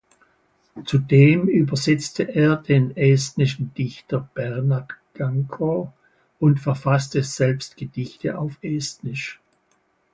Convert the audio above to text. Zudem übersetzte er den estnischen Dichter Bernard Kangro und verfasste selbst Gedichte auf Estnisch.